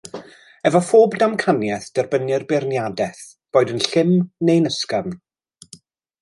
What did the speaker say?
Efo phob damcaniaeth derbynnir beirniadaeth, boed yn llym neu'n ysgafn